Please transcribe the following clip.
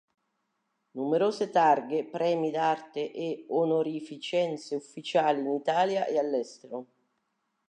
Numerose targhe, premi d'arte e onorificenze ufficiali in Italia e all'estero.